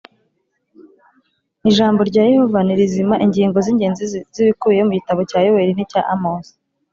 Ijambo rya yehova ni rizima ingingo z ingenzi z ibikubiye mu gitabo cya yoweli n icya amosi